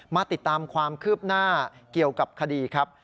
มาติดตามความคืบหน้าเกี่ยวกับคดีครับ